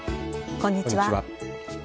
こんにちは。